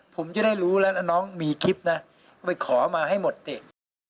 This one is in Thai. ผมจะได้รู้แล้วนะน้องมีคลิปนะไปขอมาให้หมดเด็ก